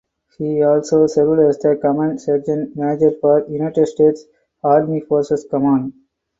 He also served as the command sergeant major for United States Army Forces Command.